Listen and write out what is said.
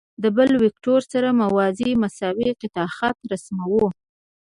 د بل وکتور سره موازي او مساوي قطعه خط رسموو.